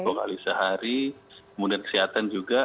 pemantauan suhu setiap hari kemudian kesehatan juga